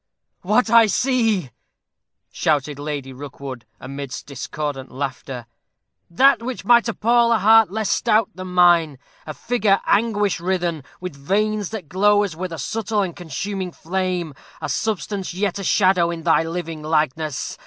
"What see I ha ha!" shouted Lady Rookwood, amidst discordant laughter; "that which might appal a heart less stout than mine a figure anguish writhen, with veins that glow as with a subtle and consuming flame. A substance yet a shadow, in thy living likeness.